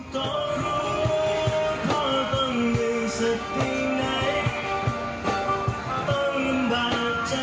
เพลงดีจังเลยอ่ะ